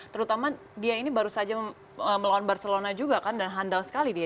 terutama dia ini baru saja melawan barcelona juga kan dan handal sekali dia